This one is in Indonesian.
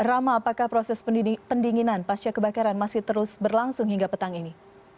rama apakah proses pendinginan pasca kebakaran masih terus berlangsung hingga petang ini